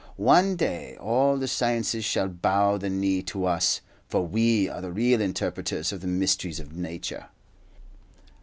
One day all the sciences shall bow the knee to us, for we are the real interpreters of the mysteries of nature."